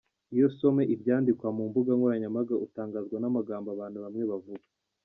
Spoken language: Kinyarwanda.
Iyo usomye ibyandikwa mu mbuga nkoranyambaga utangazwa n’amagambo abantu bamwe bavuga.